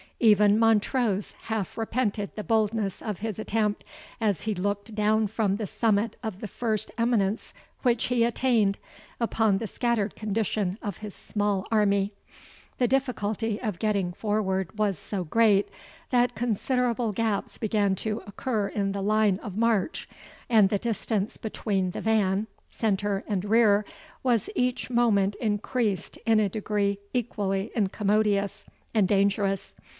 Even Montrose half repented the boldness of his attempt, as he looked down from the summit of the first eminence which he attained, upon the scattered condition of his small army. The difficulty of getting forward was so great, that considerable gaps began to occur in the line of march, and the distance between the van, centre, and rear, was each moment increased in a degree equally incommodious and dangerous.